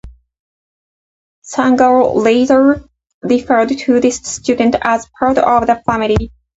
Sangha later referred to this student as part of the family.